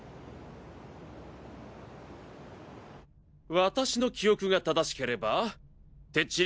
私の記憶が正しければてっちり